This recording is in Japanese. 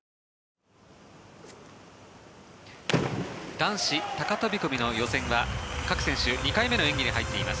男子高飛込の予選は各選手、２回目の演技に入っています。